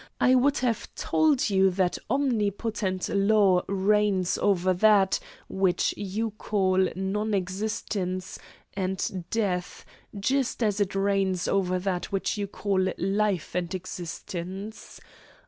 I would have told you that omnipotent law reigns over that which you call non existence and death just as it reigns over that which you call life and existence.